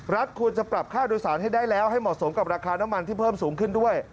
รัฐควรจะปรับค่าโดยสารให้ได้แล้วให้เหมาะสมกับราคาน้ำมันที่เพิ่มสูงขึ้นด้วย